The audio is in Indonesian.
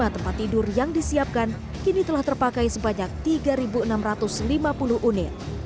lima tempat tidur yang disiapkan kini telah terpakai sebanyak tiga enam ratus lima puluh unit